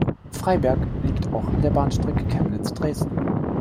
Freiberg liegt auch an der Bahnstrecke Chemnitz–Dresden.